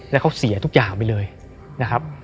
แล้วเขาเสียทุกอย่างไปเลยนะครับ